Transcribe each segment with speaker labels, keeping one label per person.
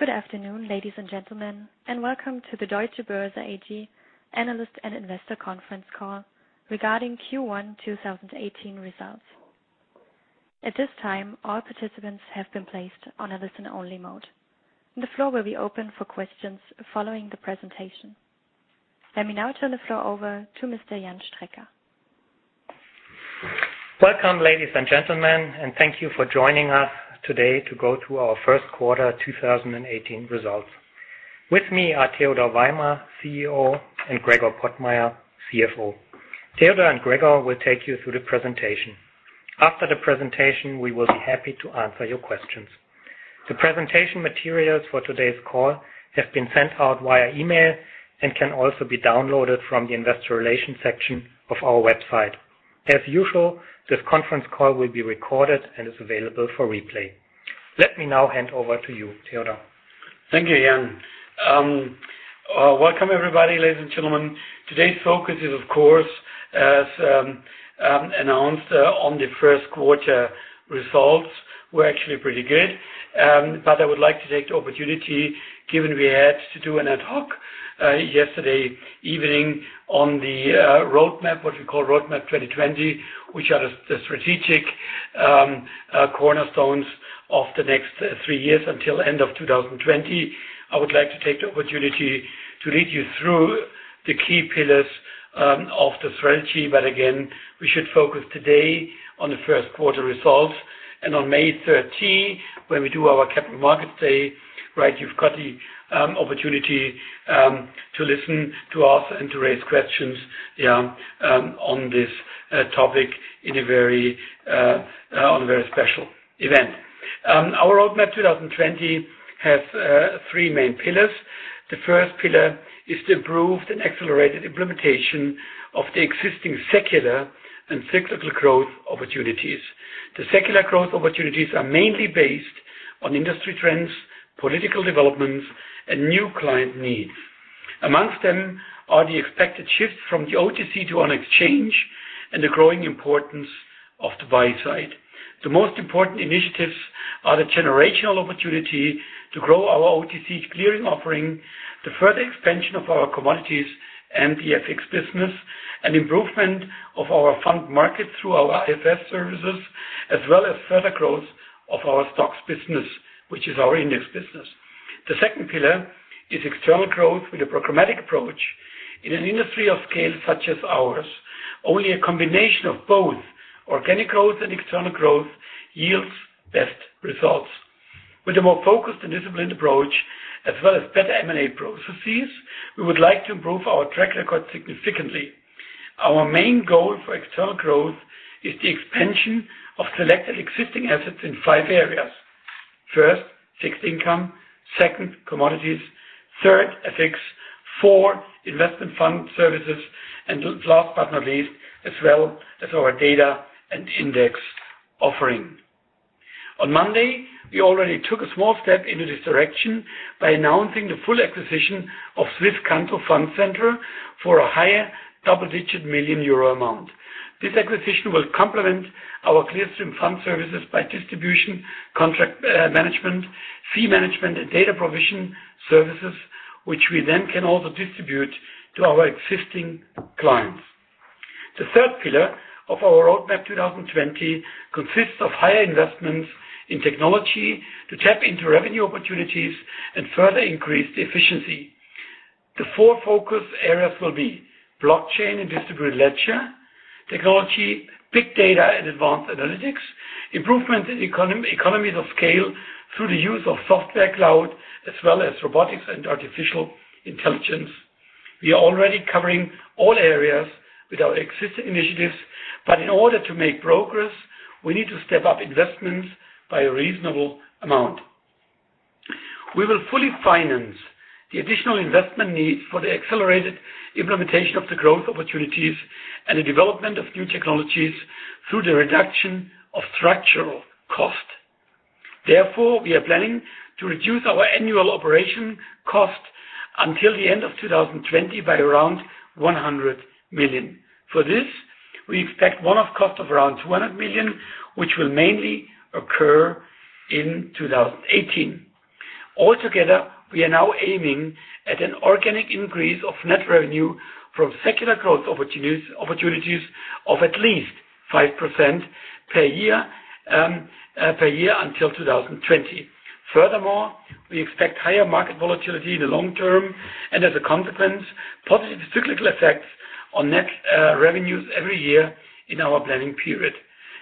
Speaker 1: Good afternoon, ladies and gentlemen, and welcome to the Deutsche Börse AG analyst and investor conference call regarding Q1 2018 results. At this time, all participants have been placed on a listen-only mode. The floor will be open for questions following the presentation. Let me now turn the floor over to Mr. Jan Strecker.
Speaker 2: Welcome, ladies and gentlemen, thank you for joining us today to go through our first quarter 2018 results. With me are Theodor Weimer, CEO, and Gregor Pottmeyer, CFO. Theodor and Gregor will take you through the presentation. After the presentation, we will be happy to answer your questions. The presentation materials for today's call have been sent out via email and can also be downloaded from the investor relations section of our website. As usual, this conference call will be recorded and is available for replay. Let me now hand over to you, Theodor.
Speaker 3: Thank you, Jan. Welcome everybody, ladies and gentlemen. Today's focus is, of course, as announced on the first quarter results, were actually pretty good. I would like to take the opportunity, given we had to do an ad hoc yesterday evening on the roadmap, what we call Roadmap 2020, which are the strategic cornerstones of the next three years until end of 2020. I would like to take the opportunity to lead you through the key pillars of the strategy. Again, we should focus today on the first quarter results, and on May 30, when we do our capital markets day, you've got the opportunity to listen to us and to raise questions on this topic on a very special event. Our Roadmap 2020 has three main pillars. The first pillar is the improved and accelerated implementation of the existing secular and cyclical growth opportunities. The secular growth opportunities are mainly based on industry trends, political developments, and new client needs. Amongst them are the expected shifts from the OTC to on exchange and the growing importance of the buy side. The most important initiatives are the generational opportunity to grow our OTC clearing offering, the further expansion of our commodities and the FX business, and improvement of our fund market through our IFS services, as well as further growth of our STOXX business, which is our index business. The second pillar is external growth with a programmatic approach. In an industry of scale such as ours, only a combination of both organic growth and external growth yields best results. With a more focused and disciplined approach, as well as better M&A processes, we would like to improve our track record significantly. Our main goal for external growth is the expansion of selected existing assets in five areas. First, fixed income. Second, commodities. Third, FX. Four, investment fund services. Last but not least, as well as our data and index offering. On Monday, we already took a small step in this direction by announcing the full acquisition of Swisscanto Funds Centre Ltd. for a higher double-digit million EUR amount. This acquisition will complement our Clearstream fund services by distribution, contract management, fee management, and data provision services, which we then can also distribute to our existing clients. The third pillar of our Roadmap 2020 consists of higher investments in technology to tap into revenue opportunities and further increase the efficiency. The four focus areas will be blockchain and distributed ledger technology, big data and advanced analytics, improvement in economies of scale through the use of software cloud, as well as robotics and artificial intelligence. We are already covering all areas with our existing initiatives, but in order to make progress, we need to step up investments by a reasonable amount. We will fully finance the additional investment needs for the accelerated implementation of the growth opportunities and the development of new technologies through the reduction of structural cost. Therefore, we are planning to reduce our annual operation cost until the end of 2020 by around 100 million. For this, we expect one-off cost of around 200 million, which will mainly occur in 2018. Altogether, we are now aiming at an organic increase of net revenue from secular growth opportunities of at least 5% per year until 2020. Furthermore, we expect higher market volatility in the long term and, as a consequence, positive cyclical effects on net revenues every year in our planning period.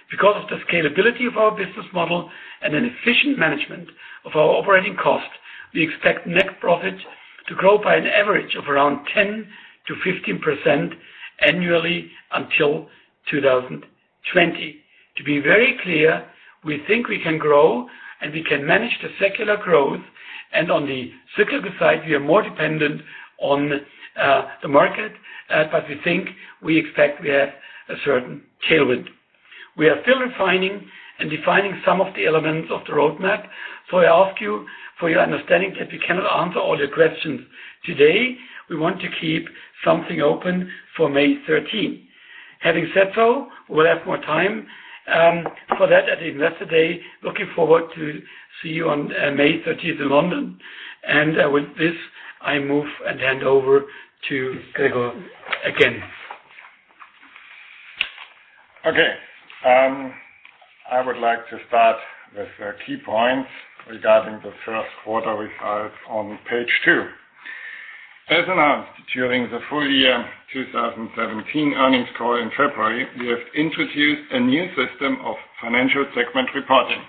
Speaker 3: Because of the scalability of our business model and an efficient management of our operating cost, we expect net profit to grow by an average of around 10%-15% annually until 2020. To be very clear, we think we can grow, and we can manage the secular growth. On the cyclical side, we are more dependent on the market. We think we expect we have a certain tailwind. We are still refining and defining some of the elements of the roadmap, so I ask you for your understanding that we cannot answer all your questions today. We want to keep something open for May 13. Having said so, we'll have more time for that at Investor Day. Looking forward to see you on May 30th in London. With this, I move and hand over to Gregor again.
Speaker 4: Okay. I would like to start with the key points regarding the first quarter results on page two. As announced during the full year 2017 earnings call in February, we have introduced a new system of financial segment reporting.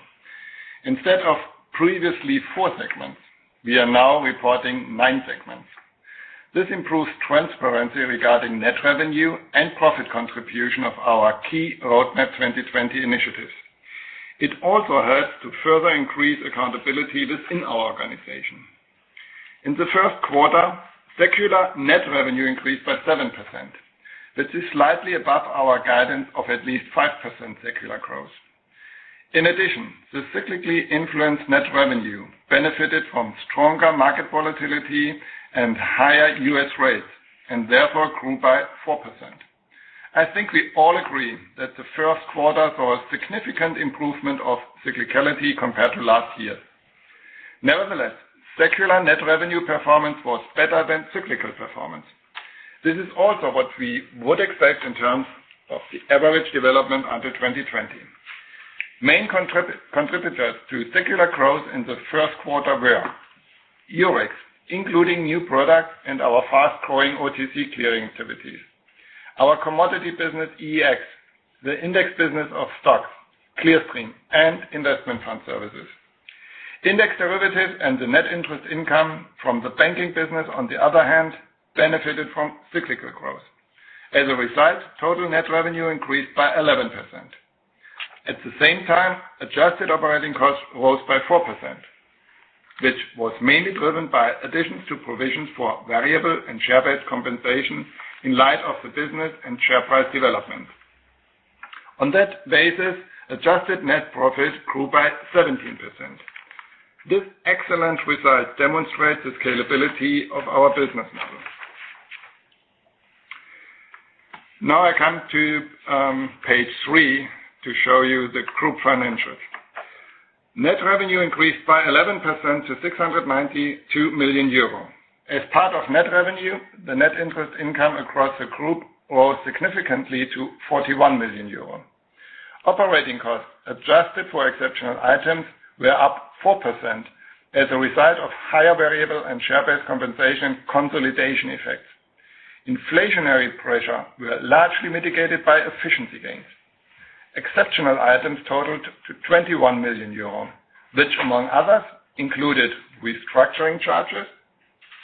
Speaker 4: Instead of previously four segments, we are now reporting nine segments. This improves transparency regarding net revenue and profit contribution of our key Roadmap 2020 initiatives. It also helps to further increase accountability within our organization. In the first quarter, secular net revenue increased by 7%. This is slightly above our guidance of at least 5% secular growth. In addition, the cyclically influenced net revenue benefited from stronger market volatility and higher U.S. rates, and therefore grew by 4%. I think we all agree that the first quarter saw a significant improvement of cyclicality compared to last year. Nevertheless, secular net revenue performance was better than cyclical performance. This is also what we would expect in terms of the average development until 2020. Main contributors to secular growth in the first quarter were Eurex, including new products and our fast-growing OTC clearing activities. Our commodity business, EEX, the index business of STOXX, Clearstream, and investment fund services. Index derivatives and the net interest income from the banking business on the other hand, benefited from cyclical growth. As a result, total net revenue increased by 11%. At the same time, adjusted operating costs rose by 4%, which was mainly driven by additions to provisions for variable and share-based compensation in light of the business and share price development. On that basis, adjusted net profit grew by 17%. This excellent result demonstrates the scalability of our business model. Now I come to page three to show you the group financials. Net revenue increased by 11% to 692 million euro. As part of net revenue, the net interest income across the group rose significantly to 41 million euros. Operating costs, adjusted for exceptional items, were up 4% as a result of higher variable and share-based compensation consolidation effects. Inflationary pressure were largely mitigated by efficiency gains. Exceptional items totaled to 21 million euros, which among others included restructuring charges,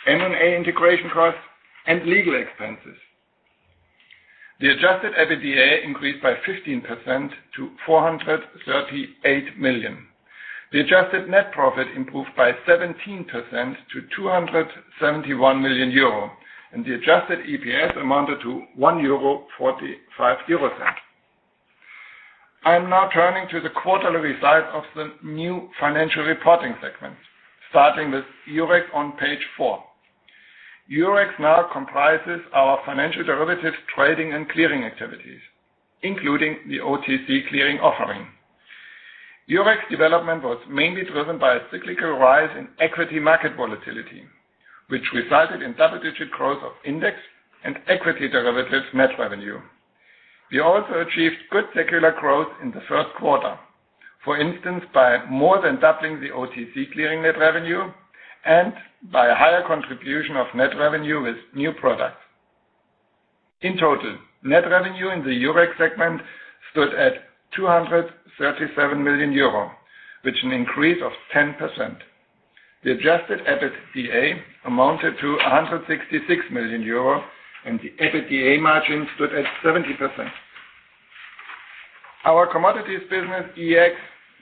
Speaker 4: M&A integration costs, and legal expenses. The adjusted EBITDA increased by 15% to 438 million. The adjusted net profit improved by 17% to 271 million euro, and the adjusted EPS amounted to 1.45 euro. I am now turning to the quarterly results of the new financial reporting segments, starting with Eurex on page four. Eurex now comprises our financial derivatives trading and clearing activities, including the OTC clearing offering. Eurex development was mainly driven by a cyclical rise in equity market volatility, which resulted in double-digit growth of index and equity derivatives net revenue. We also achieved good secular growth in the first quarter. For instance, by more than doubling the OTC clearing net revenue and by a higher contribution of net revenue with new products. In total, net revenue in the Eurex segment stood at 237 million euro, which an increase of 10%. The adjusted EBITDA amounted to 166 million euro and the EBITDA margin stood at 70%. Our commodities business, EEX,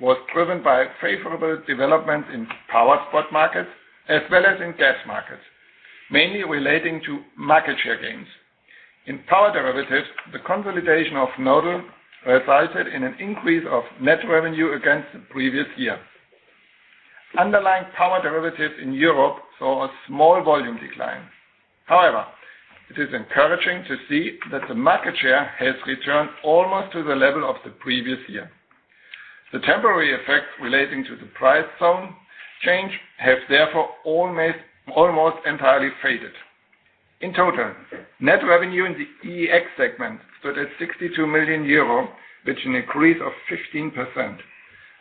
Speaker 4: was driven by favorable development in power spot markets as well as in gas markets, mainly relating to market share gains. In power derivatives, the consolidation of Nord Pool resulted in an increase of net revenue against the previous year. Underlying power derivatives in Europe saw a small volume decline. However, it is encouraging to see that the market share has returned almost to the level of the previous year. The temporary effects relating to the price zone change have therefore almost entirely faded. In total, net revenue in the EEX segment stood at 62 million euro, which an increase of 15%.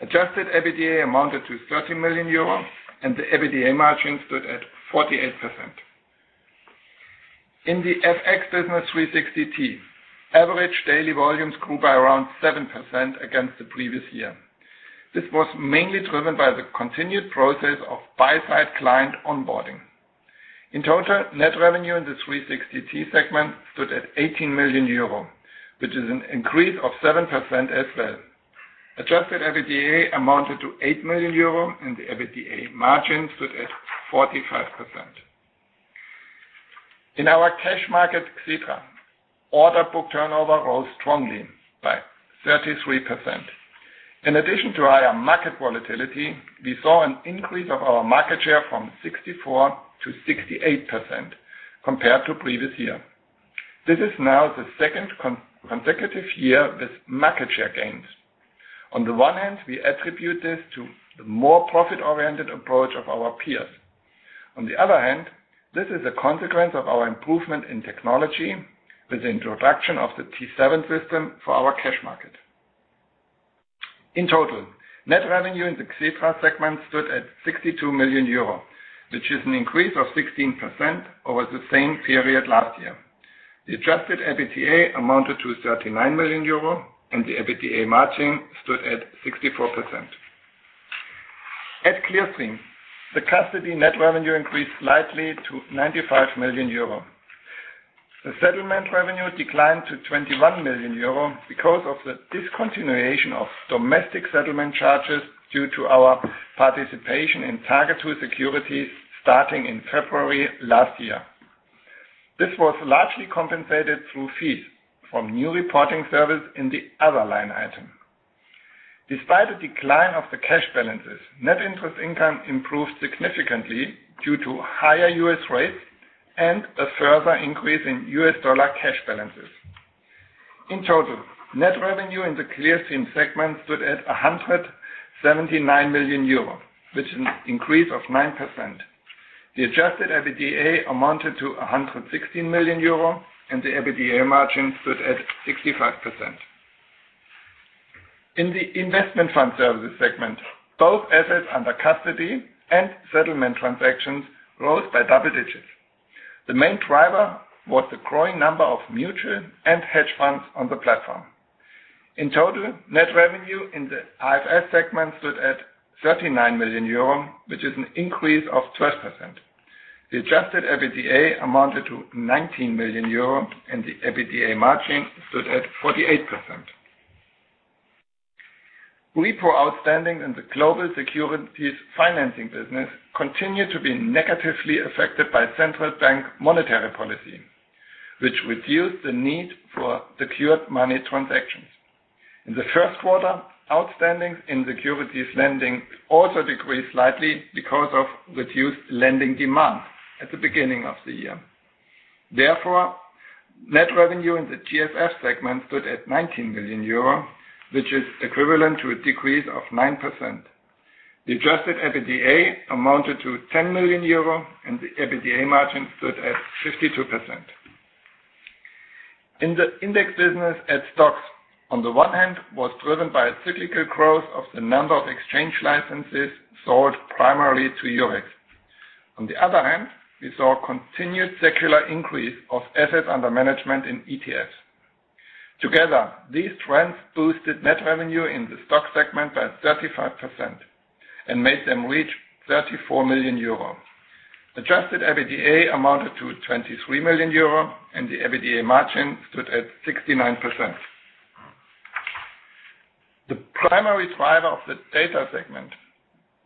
Speaker 4: Adjusted EBITDA amounted to 30 million euro and the EBITDA margin stood at 48%. In the FX business 360T, average daily volumes grew by around 7% against the previous year. This was mainly driven by the continued process of buy-side client onboarding. In total, net revenue in the 360T segment stood at 18 million euro, which is an increase of 7% as well. Adjusted EBITDA amounted to 8 million euro and the EBITDA margin stood at 45%. In our cash market, Xetra, order book turnover rose strongly by 33%. In addition to higher market volatility, we saw an increase of our market share from 64% to 68% compared to previous year. This is now the second consecutive year with market share gains. On the one hand, we attribute this to the more profit-oriented approach of our peers. On the other hand, this is a consequence of our improvement in technology with the introduction of the T7 system for our cash market. In total, net revenue in the Xetra segment stood at 62 million euro, which is an increase of 16% over the same period last year. The adjusted EBITDA amounted to 39 million euro and the EBITDA margin stood at 64%. At Clearstream, the custody net revenue increased slightly to 95 million euro. The settlement revenue declined to 21 million euro because of the discontinuation of domestic settlement charges due to our participation in Target2-Securities starting in February last year. This was largely compensated through fees from new reporting service in the other line item. Despite a decline of the cash balances, net interest income improved significantly due to higher U.S. rates and a further increase in U.S. dollar cash balances. In total, net revenue in the Clearstream segment stood at 179 million euro, which is an increase of 9%. The adjusted EBITDA amounted to 116 million euro and the EBITDA margin stood at 65%. In the Investment Fund Services segment, both assets under custody and settlement transactions rose by double digits. The main driver was the growing number of mutual and hedge funds on the platform. In total, net revenue in the IFS segment stood at 39 million euro, which is an increase of 12%. The adjusted EBITDA amounted to 19 million euro and the EBITDA margin stood at 48%. Repo outstanding in the Global Securities Financing business continued to be negatively affected by central bank monetary policy, which reduced the need for secured money transactions. In the first quarter, outstandings in securities lending also decreased slightly because of reduced lending demand at the beginning of the year. Therefore, net revenue in the GSF segment stood at 19 million euro, which is equivalent to a decrease of 9%. The adjusted EBITDA amounted to 10 million euro and the EBITDA margin stood at 52%. In the index business at STOXX, on the one hand, was driven by a cyclical growth of the number of exchange licenses sold primarily to Eurex. On the other hand, we saw continued secular increase of assets under management in ETFs. Together, these trends boosted net revenue in the STOXX segment by 35% and made them reach 34 million euro. Adjusted EBITDA amounted to 23 million euro and the EBITDA margin stood at 69%. The primary driver of the data segment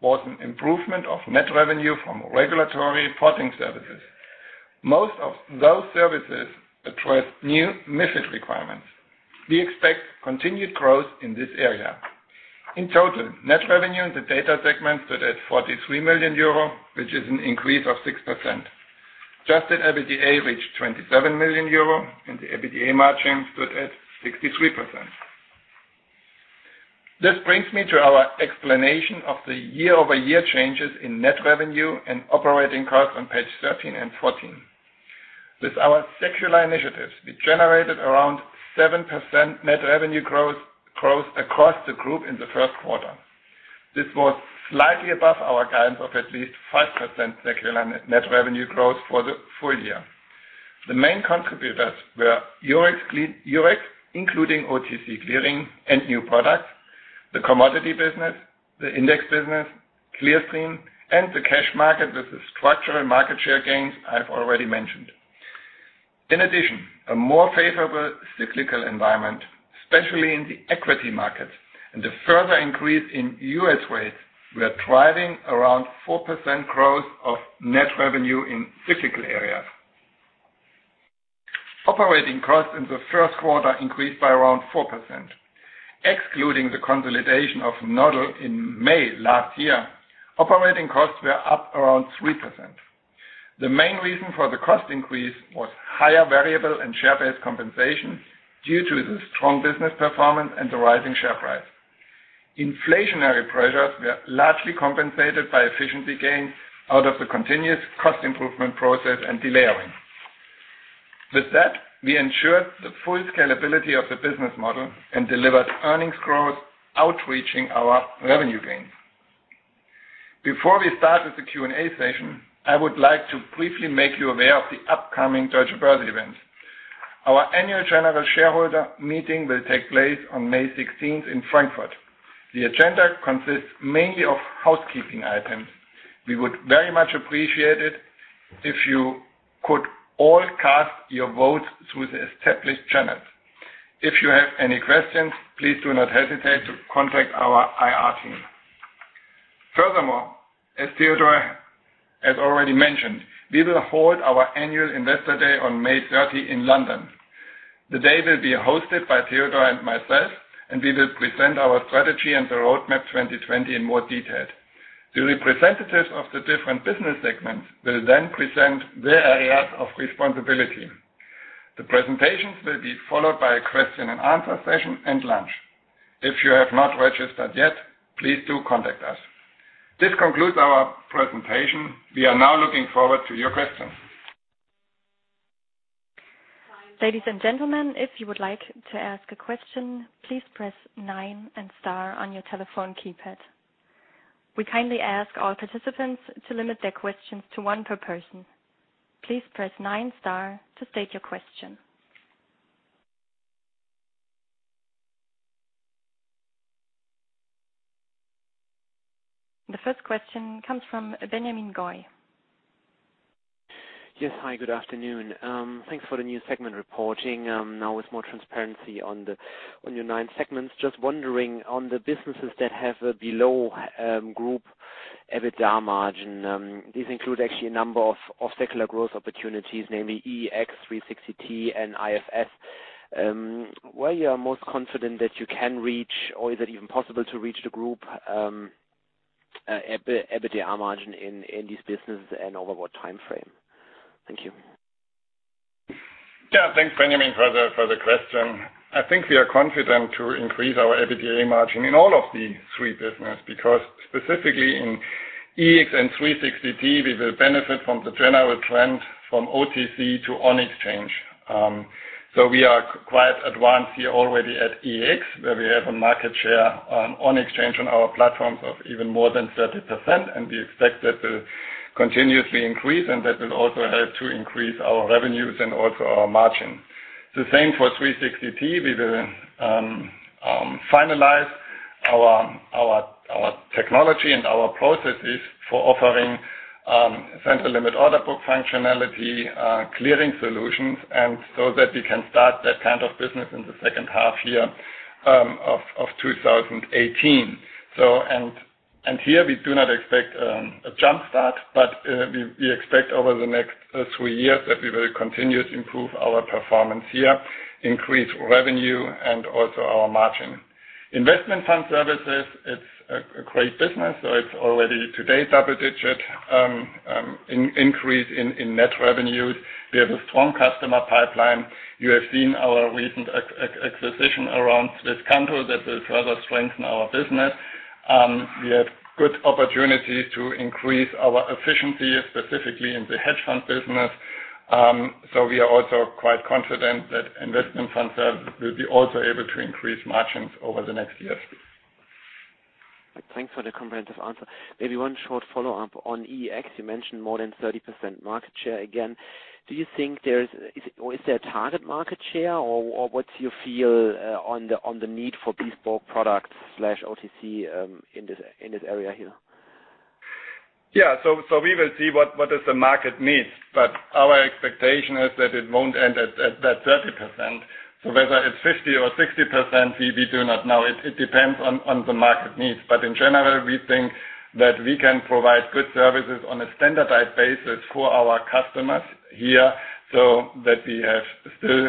Speaker 4: was an improvement of net revenue from regulatory reporting services. Most of those services address new MiFID requirements. We expect continued growth in this area. In total, net revenue in the data segment stood at 43 million euro, which is an increase of 6%. Adjusted EBITDA reached 27 million euro and the EBITDA margin stood at 63%. This brings me to our explanation of the year-over-year changes in net revenue and operating costs on page 13 and 14. With our secular initiatives, we generated around 7% net revenue growth across the group in the first quarter. This was slightly above our guidance of at least 5% secular net revenue growth for the full year. The main contributors were Eurex, including OTC clearing and new products, the commodity business, the index business, Clearstream, and the cash market with the structural market share gains I've already mentioned. In addition, a more favorable cyclical environment, especially in the equity market and a further increase in U.S. rates were driving around 4% growth of net revenue in cyclical areas. Operating costs in the first quarter increased by around 4%. Excluding the consolidation of Nodal in May last year, operating costs were up around 3%. The main reason for the cost increase was higher variable and share-based compensation due to the strong business performance and the rising share price. Inflationary pressures were largely compensated by efficiency gains out of the continuous cost improvement process and delayering. With that, we ensured the full scalability of the business model and delivered earnings growth, outreaching our revenue gains. Before we start with the Q&A session, I would like to briefly make you aware of the upcoming Deutsche Börse events. Our annual general shareholder meeting will take place on May 16th in Frankfurt. The agenda consists mainly of housekeeping items. We would very much appreciate it if you could all cast your vote through the established channels. If you have any questions, please do not hesitate to contact our IR team. As Theodor has already mentioned, we will hold our annual Investor Day on May 30 in London. The day will be hosted by Theodor and myself, and we will present our strategy and the Roadmap 2020 in more detail. The representatives of the different business segments will then present their areas of responsibility. The presentations will be followed by a question and answer session and lunch. If you have not registered yet, please do contact us. This concludes our presentation. We are now looking forward to your questions.
Speaker 1: Ladies and gentlemen, if you would like to ask a question, please press nine and star on your telephone keypad. We kindly ask all participants to limit their questions to one per person. Please press nine, star to state your question. The first question comes from Benjamin Goy.
Speaker 5: Yes. Hi, good afternoon. Thanks for the new segment reporting. Now with more transparency on your nine segments. Just wondering on the businesses that have a below group EBITDA margin. These include actually a number of secular growth opportunities, namely EEX, 360T and IFS. Where you are most confident that you can reach or is it even possible to reach the group EBITDA margin in this business and over what time frame? Thank you.
Speaker 4: Thanks, Benjamin, for the question. I think we are confident to increase our EBITDA margin in all of the three business, because specifically in EEX and 360T, we will benefit from the general trend from OTC to on exchange. We are quite advanced here already at EEX, where we have a market share on exchange on our platforms of even more than 30%, We expect that to continuously increase, That will also help to increase our revenues and also our margin. The same for 360T. We will finalize our technology and our processes for offering central limit order book functionality, clearing solutions, that we can start that kind of business in the second half year of 2018. Here we do not expect a jump start, but we expect over the next three years that we will continue to improve our performance here, increase revenue and also our margin. Investment Fund Services, it's a great business. It's already today double-digit increase in net revenues. We have a strong customer pipeline. You have seen our recent acquisition around Swisscanto that will further strengthen our business. We have good opportunity to increase our efficiency, specifically in the hedge fund business. We are also quite confident that Investment Fund Services will be also able to increase margins over the next years.
Speaker 5: Thanks for the comprehensive answer. Maybe one short follow-up on EEX. You mentioned more than 30% market share. Again, do you think there is a target market share or what's your feel on the need for bespoke products/OTC in this area here?
Speaker 4: Yeah. We will see what does the market needs, but our expectation is that it won't end at that 30%. Whether it's 50% or 60%, we do not know. It depends on the market needs. In general, we think that we can provide good services on a standardized basis for our customers here, so that we have still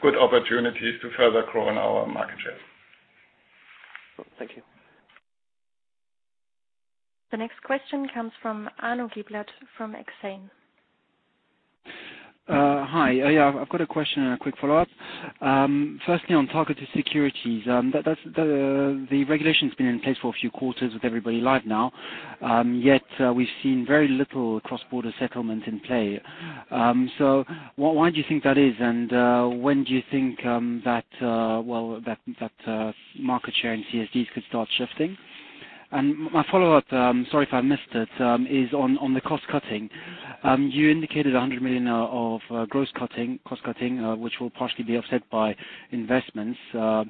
Speaker 4: good opportunities to further grow on our market share.
Speaker 5: Thank you.
Speaker 1: The next question comes from Arnaud Giblat from Exane.
Speaker 6: Hi. I've got a question and a quick follow-up. Firstly, on Target2-Securities. The regulation's been in place for a few quarters with everybody live now, yet we've seen very little cross-border settlement in play. Why do you think that is, and when do you think that market share in CSDs could start shifting? My follow-up, sorry if I missed it, is on the cost cutting. You indicated 100 million of gross cost cutting, which will partially be offset by investments. What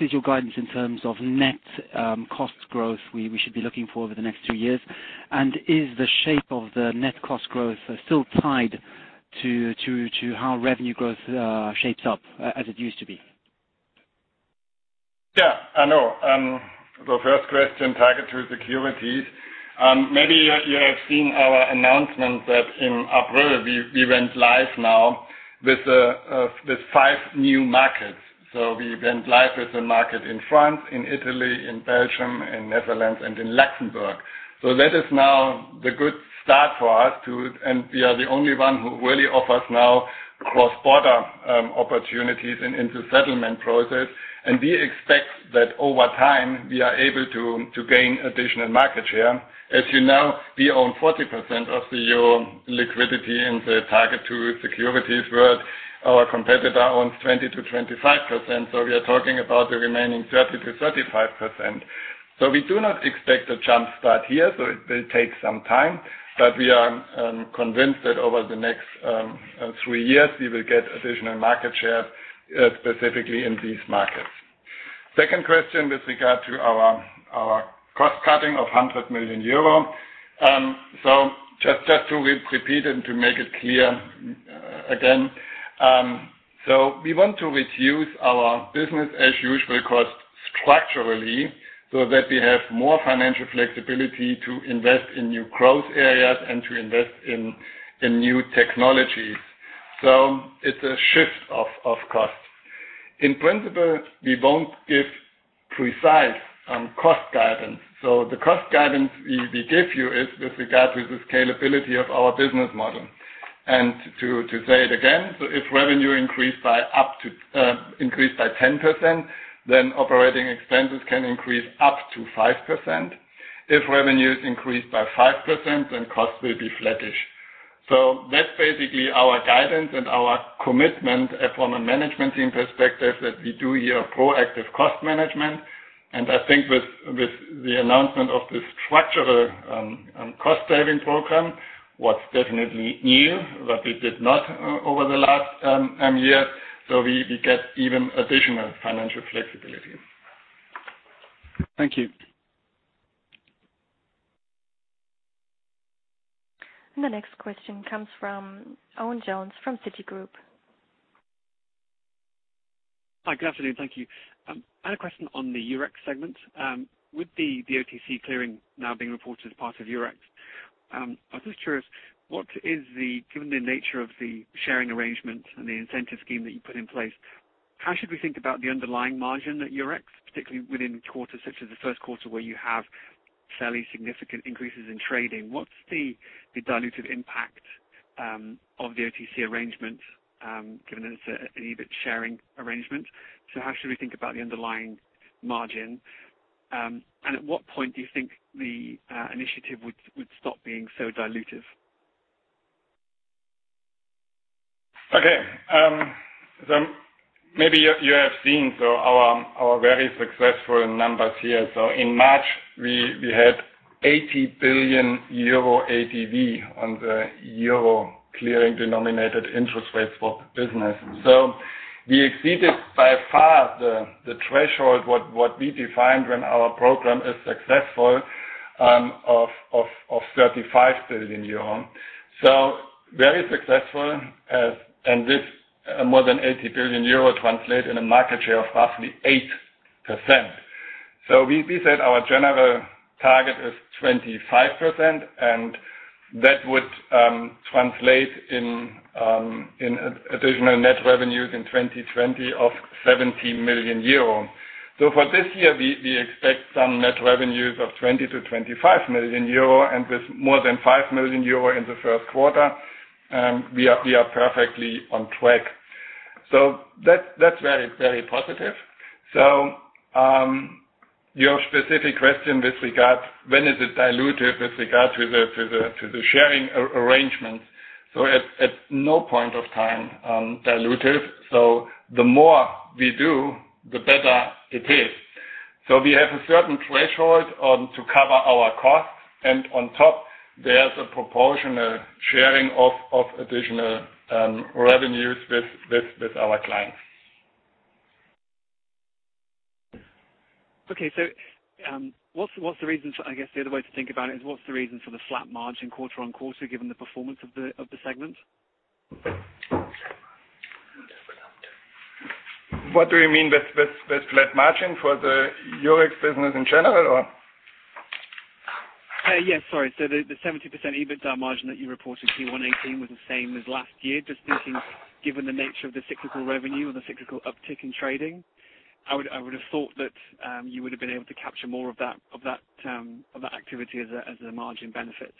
Speaker 6: is your guidance in terms of net cost growth we should be looking for over the next 2 years? Is the shape of the net cost growth still tied to how revenue growth shapes up as it used to be?
Speaker 4: Arnaud. The first question, Target2-Securities. Maybe you have seen our announcement that in April we went live now with 5 new markets. We went live with the market in France, in Italy, in Belgium, in Netherlands and in Luxembourg. That is now the good start for us too, and we are the only one who really offers now cross-border opportunities into settlement process. We expect that over time we are able to gain additional market share. As you know, we own 40% of the euro liquidity in the Target2-Securities world. Our competitor owns 20%-25%. We are talking about the remaining 30%-35%. We do not expect a jump start here. It will take some time, but we are convinced that over the next 3 years, we will get additional market share, specifically in these markets. Second question with regard to our cost cutting of 100 million euro. Just to repeat and to make it clear again. We want to reduce our business as usual cost structurally so that we have more financial flexibility to invest in new growth areas and to invest in new technologies. It's a shift of costs. In principle, we won't give precise cost guidance. The cost guidance we give you is with regard to the scalability of our business model. To say it again, if revenue increased by 10%, then operating expenses can increase up to 5%. If revenues increase by 5%, then costs will be flattish. That's basically our guidance and our commitment from a management team perspective, that we do here a proactive cost management. I think with the announcement of this structural cost-saving program, what's definitely new, what we did not over the last year, we get even additional financial flexibility.
Speaker 3: Thank you.
Speaker 1: The next question comes from Owen Jones from Citigroup.
Speaker 7: Hi. Good afternoon. Thank you. I had a question on the Eurex segment. With the OTC clearing now being reported as part of Eurex, I was just curious, given the nature of the sharing arrangement and the incentive scheme that you put in place, how should we think about the underlying margin at Eurex, particularly within quarters such as the first quarter, where you have fairly significant increases in trading? What is the diluted impact of the OTC arrangement, given it is an EBIT sharing arrangement? How should we think about the underlying margin? At what point do you think the initiative would stop being so dilutive?
Speaker 4: Okay. Maybe you have seen, our very successful numbers here. In March, we had 80 billion euro ADV on the EUR clearing-denominated interest rates for business. We exceeded by far the threshold what we defined when our program is successful, of 35 billion euro. Very successful. This more than 80 billion euro translate in a market share of roughly 8%. We said our general target is 25%, that would translate in additional net revenues in 2020 of 70 million euro. For this year, we expect some net revenues of 20 million-25 million euro, and with more than 5 million euro in the first quarter, we are perfectly on track. That is very positive. Your specific question with regards, when is it dilutive with regard to the sharing arrangements? At no point of time dilutive. The more we do, the better it is. We have a certain threshold to cover our costs. On top, there's a proportional sharing of additional revenues with our clients.
Speaker 7: What's the reason for? I guess the other way to think about it is what's the reason for the flat margin quarter-on-quarter given the performance of the segment?
Speaker 4: What do you mean with flat margin? For the Eurex business in general, or?
Speaker 7: Yes, sorry. The 70% EBITDA margin that you reported Q1 2018 was the same as last year. Just thinking, given the nature of the cyclical revenue and the cyclical uptick in trading, I would have thought that you would have been able to capture more of that activity as a margin benefit.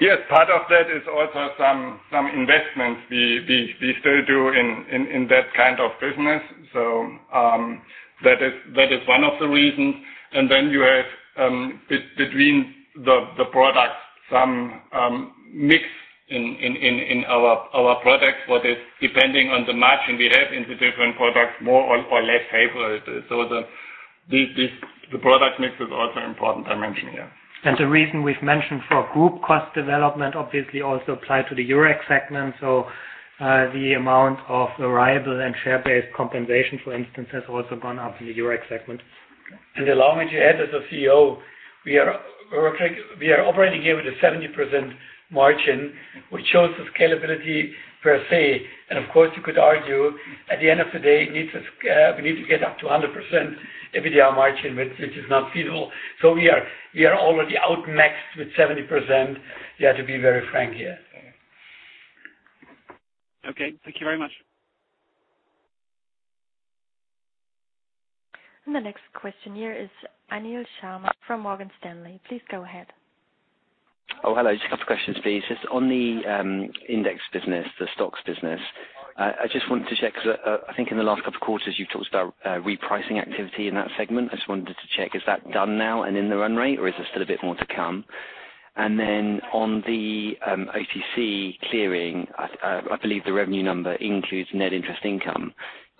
Speaker 4: Yes. Part of that is also some investments we still do in that kind of business. That is one of the reasons. Then you have, between the products, some mix in our products. What is depending on the margin we have in the different products, more or less favorable. The product mix is also important dimension.
Speaker 2: The reason we've mentioned for group cost development obviously also apply to the Eurex segment. The amount of variable and share-based compensation, for instance, has also gone up in the Eurex segment.
Speaker 3: Allow me to add, as a CEO, we are operating here with a 70% margin, which shows the scalability per se. Of course, you could argue at the end of the day, we need to get up to 100% EBITDA margin, which is not feasible. We are already out maxed with 70%, to be very frank here.
Speaker 7: Okay. Thank you very much.
Speaker 1: The next question here is Anil Sharma from Morgan Stanley. Please go ahead.
Speaker 8: Oh, hello. Just a couple questions, please. Just on the index business, the STOXX business, I just wanted to check, because I think in the last couple of quarters, you've talked about repricing activity in that segment. I just wanted to check, is that done now and in the run rate, or is there still a bit more to come? On the OTC clearing, I believe the revenue number includes net interest income.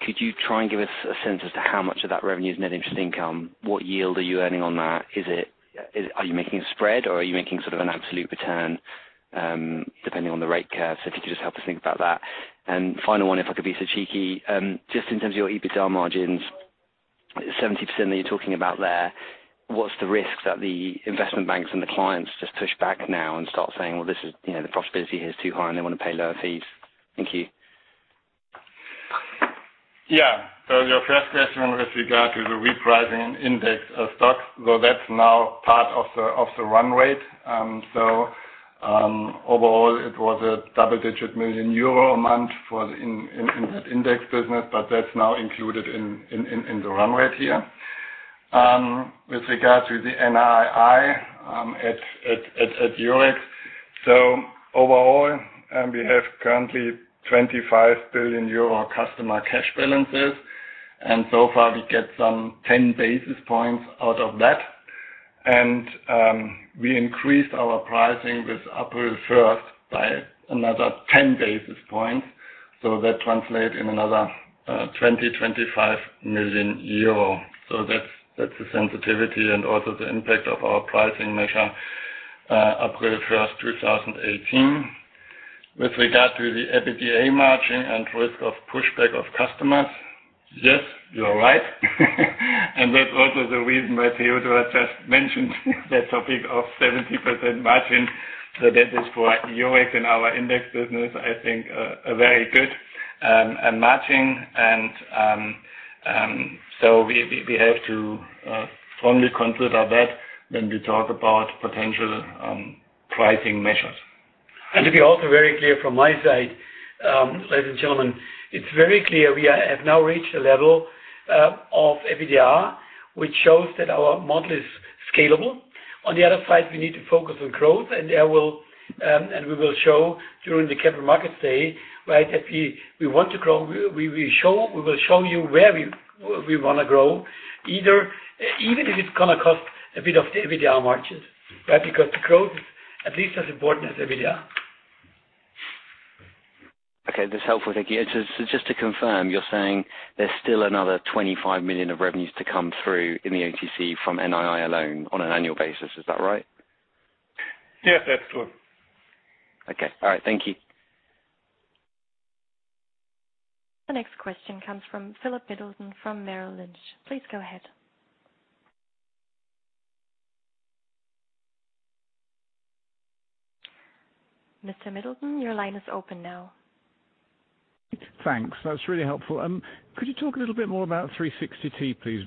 Speaker 8: Could you try and give us a sense as to how much of that revenue is net interest income? What yield are you earning on that? Are you making a spread, or are you making sort of an absolute return, depending on the rate curve? If you could just help us think about that. Final one, if I could be so cheeky. Just in terms of your EBITDA margins 70% that you're talking about there, what's the risk that the investment banks and the clients just push back now and start saying, well, the profitability here is too high, and they want to pay lower fees? Thank you.
Speaker 4: Yeah. Your first question with regard to the repricing index of STOXX, that's now part of the run rate. Overall, it was a double-digit million EUR amount in that index business, but that's now included in the run rate here. With regard to the NII at Eurex, overall we have currently 25 billion euro customer cash balances, and so far we get some 10 basis points out of that. We increased our pricing with April 1st by another 10 basis points. That translate in another 20, 25 million euro. That's the sensitivity and also the impact of our pricing measure April 1st, 2018. With regard to the EBITDA margin and risk of pushback of customers, yes, you're right. That's also the reason why Theodor just mentioned that topic of 70% margin. That is for Eurex and our index business, I think a very good matching. We have to formally conclude our bet when we talk about potential pricing measures.
Speaker 3: To be also very clear from my side, ladies and gentlemen, it's very clear we have now reached a level of EBITDA, which shows that our model is scalable. On the other side, we need to focus on growth, and we will show during the Capital Markets Day, that we want to grow. We will show you where we want to grow, even if it's going to cost a bit of the EBITDA margins. Growth is at least as important as EBITDA.
Speaker 8: Okay. That's helpful. Thank you. Just to confirm, you're saying there's still another 25 million of revenues to come through in the OTC from NII alone on an annual basis, is that right?
Speaker 4: Yes, that's correct.
Speaker 8: Okay. All right. Thank you.
Speaker 1: The next question comes from Philip Middleton from Merrill Lynch. Please go ahead. Mr. Middleton, your line is open now.
Speaker 9: Thanks. That's really helpful. Could you talk a little bit more about 360T, please?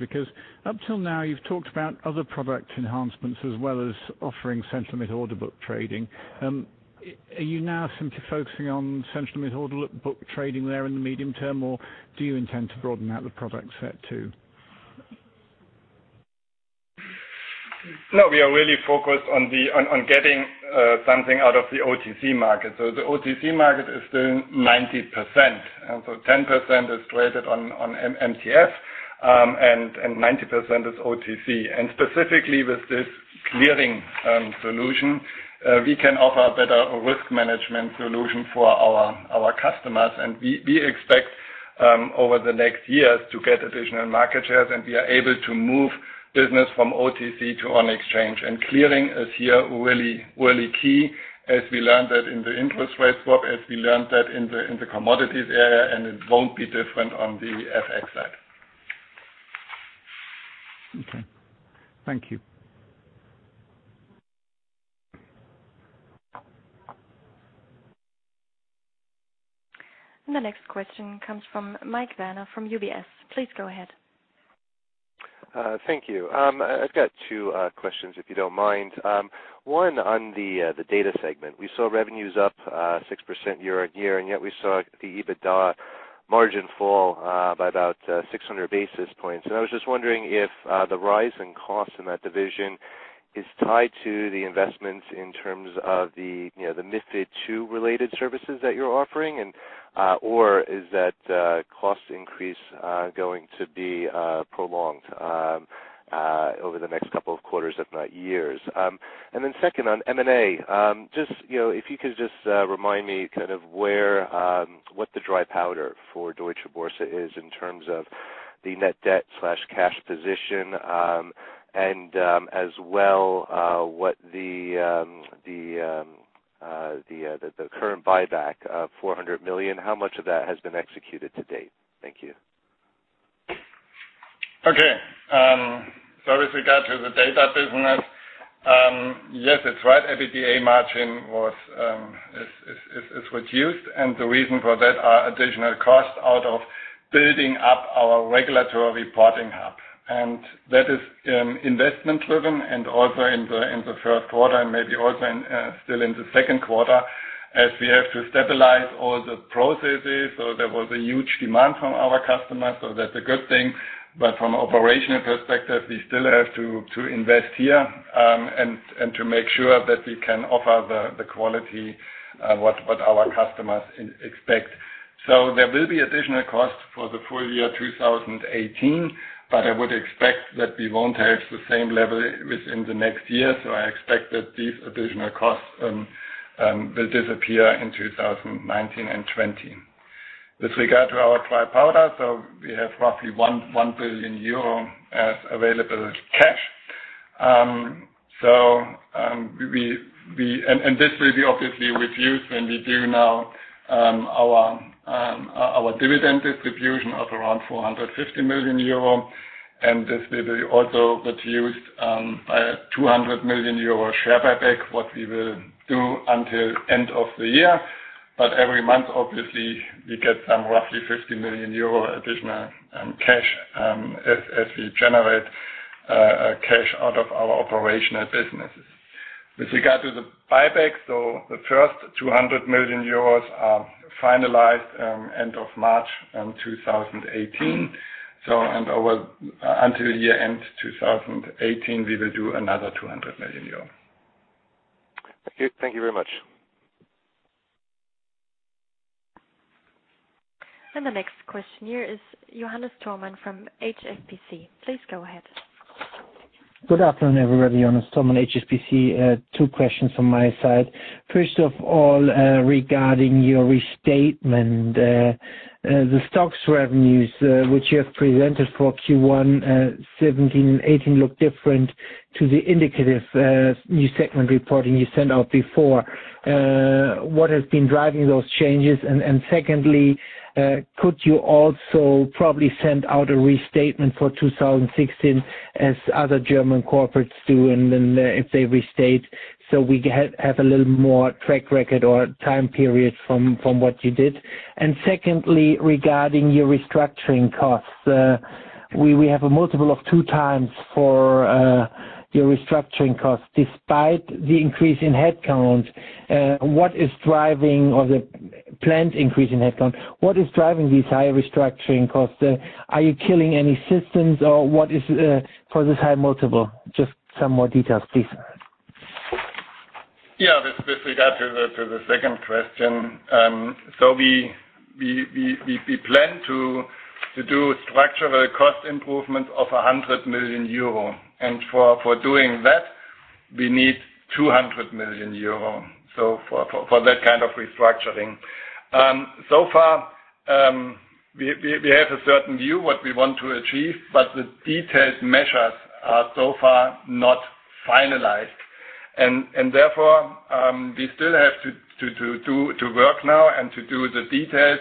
Speaker 9: Up till now you've talked about other product enhancements as well as offering central limit order book trading. Are you now simply focusing on central limit order book trading there in the medium term, or do you intend to broaden out the product set too?
Speaker 4: No, we are really focused on getting something out of the OTC market. The OTC market is still 90%, and so 10% is traded on MTS, and 90% is OTC. Specifically with this clearing solution, we can offer a better risk management solution for our customers. We expect over the next years to get additional market shares, and we are able to move business from OTC to on exchange. Clearing is here really key as we learned that in the interest rate swap, as we learned that in the commodities area, and it won't be different on the FX side.
Speaker 9: Okay. Thank you.
Speaker 1: The next question comes from Michael Werner, from UBS. Please go ahead.
Speaker 10: Thank you. I've got two questions, if you don't mind. One on the data segment. We saw revenues up 6% year-over-year, yet we saw the EBITDA margin fall by about 600 basis points. I was just wondering if the rise in cost in that division is tied to the investments in terms of the MiFID II related services that you're offering, or is that cost increase going to be prolonged over the next couple of quarters, if not years? Second on M&A, if you could just remind me what the dry powder for Deutsche Börse is in terms of the net debt/cash position, as well, the current buyback of 400 million, how much of that has been executed to date? Thank you.
Speaker 4: Okay. With regard to the data business, yes, it's right, EBITDA margin is reduced, the reason for that are additional costs out of building up our regulatory reporting hub. That is investment driven and also in the first quarter and maybe also still in the second quarter as we have to stabilize all the processes. There was a huge demand from our customers, that's a good thing. From an operational perspective, we still have to invest here, and to make sure that we can offer the quality what our customers expect. There will be additional costs for the full year 2018, I would expect that we won't have the same level within the next year. I expect that these additional costs will disappear in 2019 and 2020. With regard to our dry powder, we have roughly 1 billion euro as available cash. This will be obviously reviewed when we do our dividend distribution of around 450 million euro. This will be also used by a 200 million euro share buyback, what we will do until end of the year. Every month, obviously, we get some roughly 50 million euro additional cash as we generate cash out of our operational businesses. With regard to the buyback, the first 200 million euros are finalized end of March 2018. Until year end 2018, we will do another 200 million euro.
Speaker 10: Thank you very much.
Speaker 1: The next question here is Johannes Thurnher from HSBC. Please go ahead.
Speaker 11: Good afternoon, everybody. Johannes Thurnher, HSBC. Two questions from my side. First of all, regarding your restatement. The STOXX revenues which you have presented for Q1 2017 and 2018 look different to the indicative new segment reporting you sent out before. What has been driving those changes? Secondly, could you also probably send out a restatement for 2016 as other German corporates do if they restate, so we have a little more track record or time period from what you did? Secondly, regarding your restructuring costs, we have a multiple of two times for your restructuring costs despite the increase in headcount. What is driving, or the planned increase in headcount, these high restructuring costs? Are you killing any systems or what is for this high multiple? Just some more details, please.
Speaker 4: Yeah. With regard to the second question. We plan to do structural cost improvements of 100 million euro. For doing that, we need 200 million euro for that kind of restructuring. So far, we have a certain view what we want to achieve, but the detailed measures are so far not finalized. Therefore, we still have to work now and to do the details.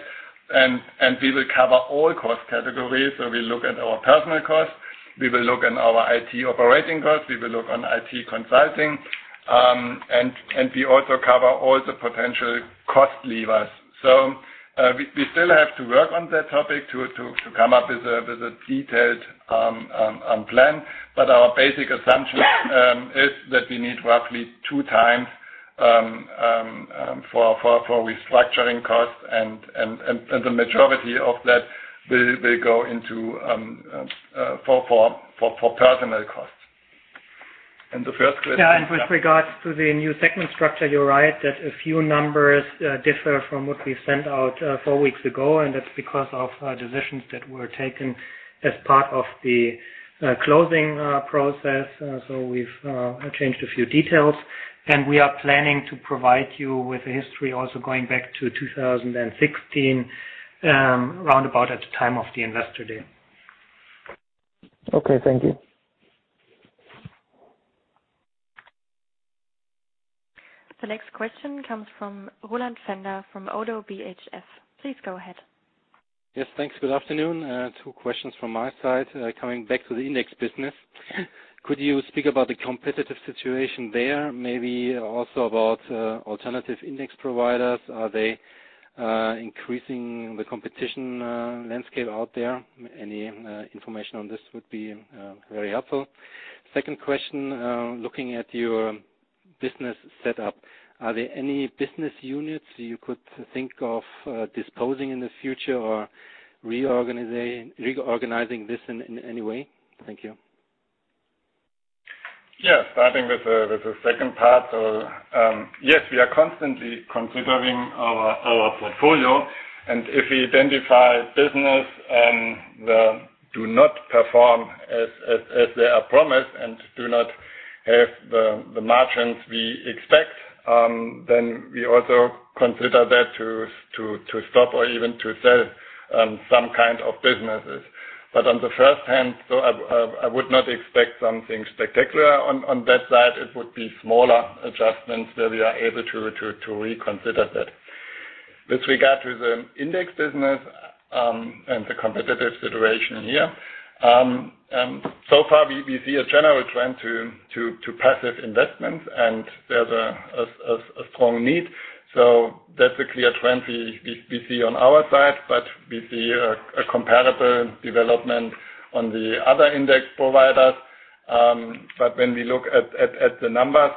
Speaker 4: We will cover all cost categories. We look at our personnel costs, we will look on our IT operating costs, we will look on IT consulting, and we also cover all the potential cost levers. We still have to work on that topic to come up with a detailed plan. Our basic assumption is that we need roughly two times for restructuring costs and the majority of that will go for personnel costs. The first question?
Speaker 2: Yeah, with regards to the new segment structure, you are right that a few numbers differ from what we sent out four weeks ago, and that is because of decisions that were taken as part of the closing process. We have changed a few details, and we are planning to provide you with a history also going back to 2016, roundabout at the time of the investor day.
Speaker 11: Okay. Thank you.
Speaker 1: The next question comes from Roland Fendler from Oddo BHF. Please go ahead.
Speaker 12: Yes, thanks. Good afternoon. Two questions from my side. Coming back to the index business, could you speak about the competitive situation there, maybe also about alternative index providers? Are they increasing the competition landscape out there? Any information on this would be very helpful. Second question, looking at your business set up, are there any business units you could think of disposing in the future or reorganizing this in any way? Thank you.
Speaker 4: Yeah. Starting with the second part. Yes, we are constantly considering our portfolio, and if we identify business and do not perform as they are promised and do not have the margins we expect, then we also consider that to stop or even to sell some kind of businesses. On the first hand, I would not expect something spectacular on that side. It would be smaller adjustments that we are able to reconsider that. With regard to the index business and the competitive situation here. Far we see a general trend to passive investments, and there's a strong need. That's a clear trend we see on our side, but we see a comparable development on the other index providers. When we look at the numbers,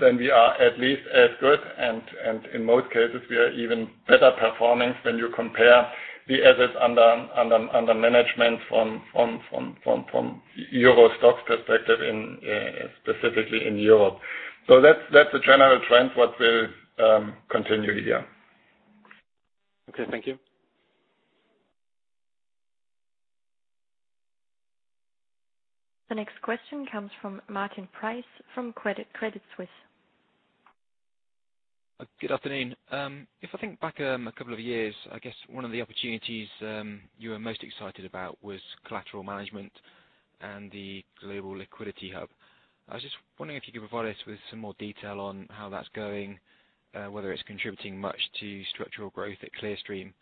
Speaker 4: then we are at least as good and in most cases, we are even better performing when you compare the assets under management from EURO STOXX perspective specifically in Europe. That's a general trend what will continue here.
Speaker 12: Okay, thank you.
Speaker 1: The next question comes from Martin Price from Credit Suisse.
Speaker 13: Good afternoon. If I think back a couple of years, I guess one of the opportunities you were most excited about was collateral management and the global liquidity hub. I was just wondering if you could provide us with some more detail on how that's going, whether it's contributing much to structural growth at Clearstream,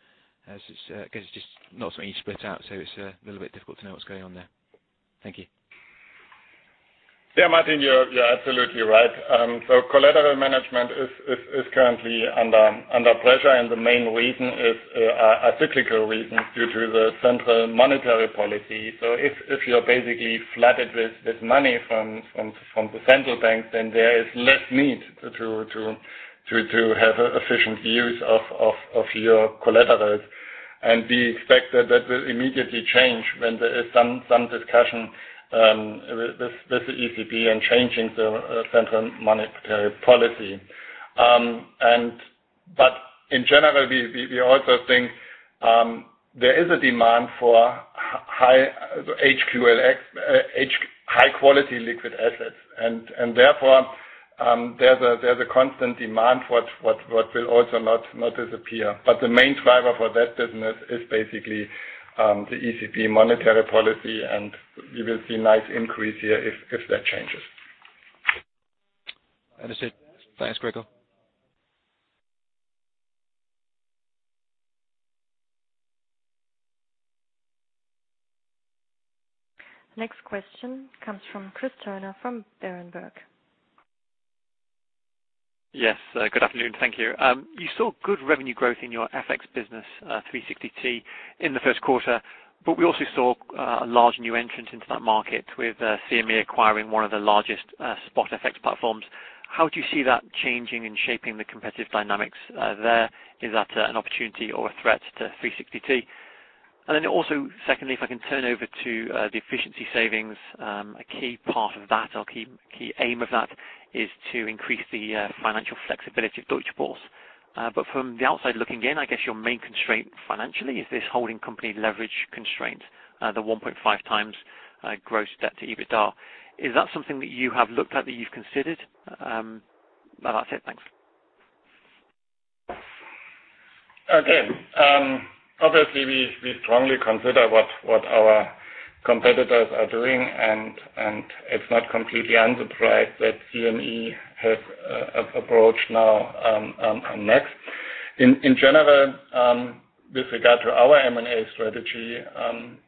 Speaker 13: as it's, I guess, just not something you split out, so it's a little bit difficult to know what's going on there. Thank you.
Speaker 4: Martin, you're absolutely right. Collateral management is currently under pressure, the main reason is a cyclical reason due to the central monetary policy. If you're basically flooded with money from the central banks, then there is less need to have efficient use of your collaterals. We expect that will immediately change when there is some discussion with the ECB and changing the central monetary policy. In general, we also think there is a demand for high-quality liquid assets. Therefore, there's a constant demand for what will also not disappear. The main driver for that business is basically the ECB monetary policy, and we will see nice increase here if that changes.
Speaker 13: That is it. Thanks, Gregor.
Speaker 1: Next question comes from Chris Turner from Berenberg.
Speaker 14: Yes. Good afternoon. Thank you. You saw good revenue growth in your FX business, 360T, in the first quarter, but we also saw a large new entrant into that market with CME acquiring one of the largest spot FX platforms. How do you see that changing and shaping the competitive dynamics there? Is that an opportunity or a threat to 360T? Also, secondly, if I can turn over to the efficiency savings. A key part of that, or key aim of that, is to increase the financial flexibility of Deutsche Börse. From the outside looking in, I guess your main constraint financially is this holding company leverage constraint, the 1.5 times gross debt to EBITDA. Is that something that you have looked at, that you've considered? That's it. Thanks.
Speaker 4: Okay. Obviously, we strongly consider what our competitors are doing. It's not completely unsurprised that CME has approached now on NEX. In general, with regard to our M&A strategy,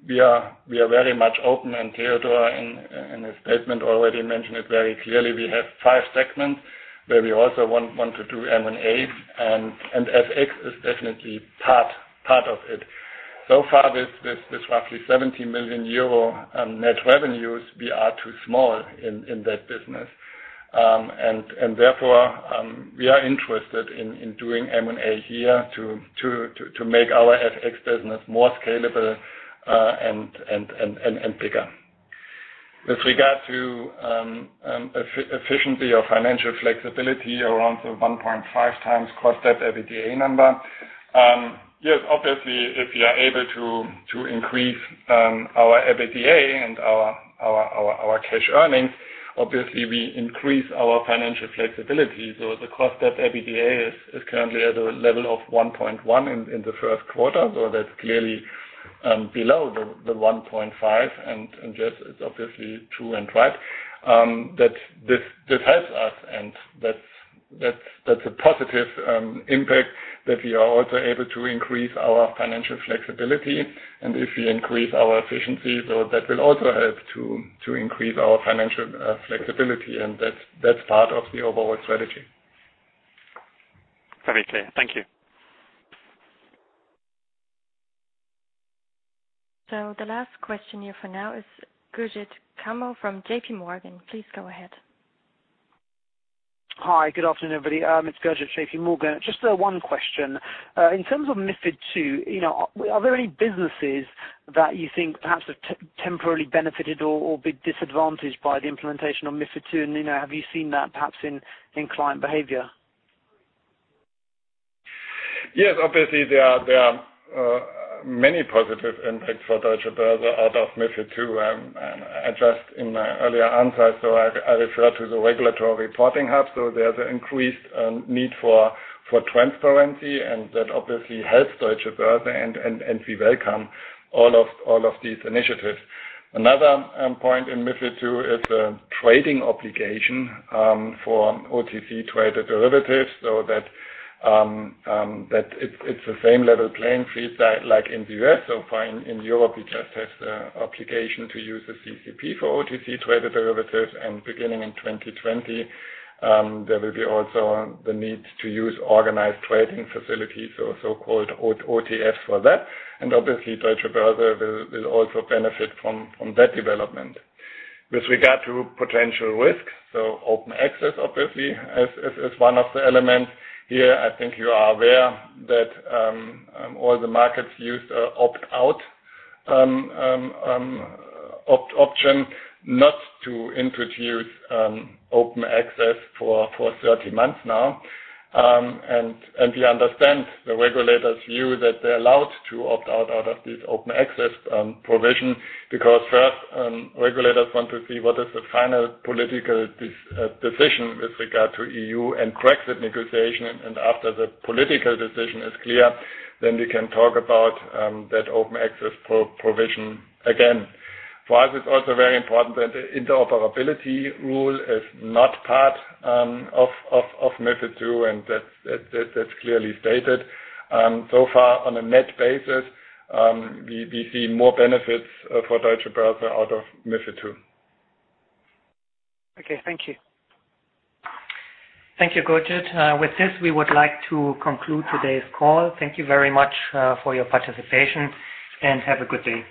Speaker 4: we are very much open. Theodor, in his statement, already mentioned it very clearly. We have five segments where we also want to do M&A, and FX is definitely part of it. So far, with roughly 70 million euro net revenues, we are too small in that business. Therefore, we are interested in doing M&A here to make our FX business more scalable and bigger. With regard to efficiency or financial flexibility around the 1.5 times gross debt to EBITDA number, yes, obviously, if we are able to increase our EBITDA and our cash earnings, obviously we increase our financial flexibility. The cost debt EBITDA is currently at a level of 1.1 in the first quarter. That's clearly below the 1.5. Yes, it's obviously true and right that this helps us. That's a positive impact that we are also able to increase our financial flexibility. If we increase our efficiency, that will also help to increase our financial flexibility, and that's part of the overall strategy.
Speaker 14: Very clear. Thank you.
Speaker 1: The last question here for now is Gurjit Kambo from J.P. Morgan. Please go ahead.
Speaker 15: Hi. Good afternoon, everybody. It's Gurjit, J.P. Morgan. Just one question. In terms of MiFID II, are there any businesses that you think perhaps have temporarily benefited or been disadvantaged by the implementation of MiFID II, and have you seen that perhaps in client behavior?
Speaker 4: Yes, obviously there are many positive impacts for Deutsche Börse out of MiFID II. Just in my earlier answer, so I refer to the regulatory reporting hub, so there's an increased need for transparency, and that obviously helps Deutsche Börse, and we welcome all of these initiatives. Another point in MiFID II is the trading obligation for OTC-traded derivatives, so that it's the same level playing field like in the U.S. Far in Europe, you just have the obligation to use the CCP for OTC-traded derivatives, and beginning in 2020, there will be also the need to use organized trading facilities, so so-called OTFs for that. Obviously, Deutsche Börse will also benefit from that development. With regard to potential risks, so open access obviously is one of the elements. Here, I think you are aware that all the markets use opt-out option not to introduce open access for 30 months now. We understand the regulators view that they're allowed to opt out of this open access provision because first, regulators want to see what is the final political decision with regard to EU and Brexit negotiation. After the political decision is clear, then we can talk about that open access provision again. For us, it's also very important that interoperability rule is not part of MiFID II, and that's clearly stated. So far on a net basis, we see more benefits for Deutsche Börse out of MiFID II.
Speaker 15: Okay, thank you.
Speaker 2: Thank you, Gurjit. With this, we would like to conclude today's call. Thank you very much for your participation, and have a good day.